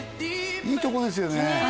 いいとこですよね